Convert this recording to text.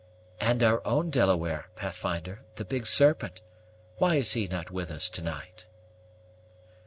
"And our own Delaware, Pathfinder the Big Serpent why is he not with us to night?"